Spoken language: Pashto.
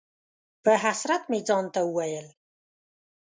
په حسرت مې ځان ته وویل: